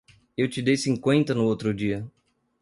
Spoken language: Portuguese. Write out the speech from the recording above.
Eu te dei cinquenta no outro dia.